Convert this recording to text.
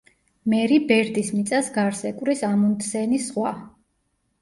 მერი ბერდის მიწას გარს ეკვრის ამუნდსენის ზღვა.